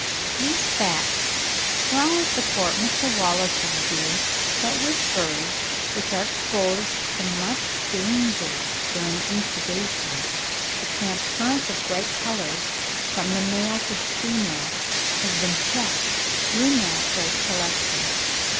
These facts strongly support Mr. Wallace's view that with birds which are exposed to much danger during incubation, the transference of bright colours from the male to the female has been checked through natural selection.